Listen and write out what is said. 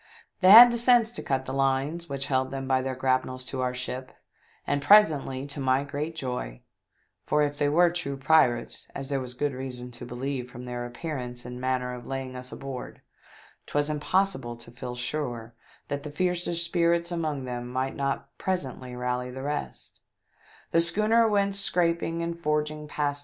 They had the sense to cut the lines which held them by their grapnels to our ship, and presently to my great joy — for if they were true pirates, as there was good reason to be lieve from their appearance and manner of laying us aboard, 'twas impossible to feel sure that the fiercer spirits among them might not presently rally the rest — the schooner went scraping and forging past THE DEATH SHIP IS BOARDED BY A PIRATE.